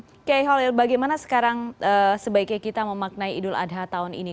oke holil bagaimana sekarang sebaiknya kita memaknai idul adha tahun ini